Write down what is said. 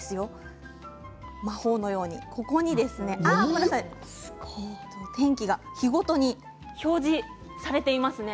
魔法のように、ここに天気が日ごとに表示されていますね。